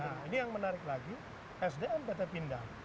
nah ini yang menarik lagi sdm betul betul pindah